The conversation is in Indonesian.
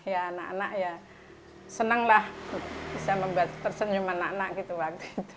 setelah tahun tiga belas sampai lima belas itulah